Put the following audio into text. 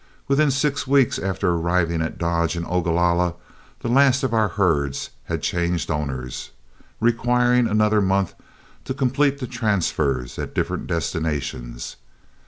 Within six weeks after arriving at Dodge and Ogalalla the last of our herds had changed owners, requiring another month to complete the transfers at different destinations.